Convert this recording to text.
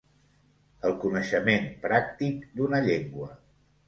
El coneixement pràctic d'una llengua.